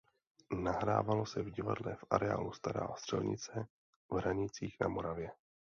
Nahrávalo se v divadle v areálu Stará Střelnice v Hranicích na Moravě.